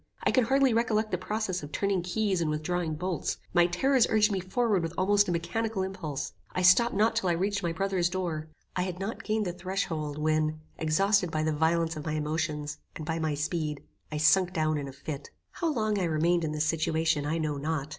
I can hardly recollect the process of turning keys, and withdrawing bolts. My terrors urged me forward with almost a mechanical impulse. I stopped not till I reached my brother's door. I had not gained the threshold, when, exhausted by the violence of my emotions, and by my speed, I sunk down in a fit. How long I remained in this situation I know not.